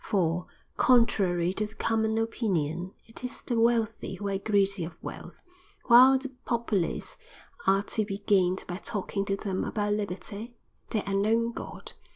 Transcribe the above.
"For, contrary to the common opinion, it is the wealthy who are greedy of wealth; while the populace are to be gained by talking to them about liberty, their unknown god.